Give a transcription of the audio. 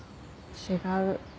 違う。